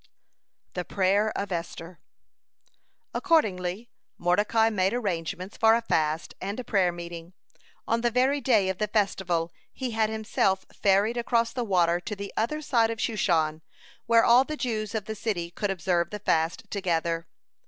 (141) THE PRAYER OF ESTHER Accordingly Mordecai made arrangements for a fast and a prayer meeting. On the very day of the festival, he had himself ferried across the water to the other side of Shushan, where all the Jews of the city could observe the fast together.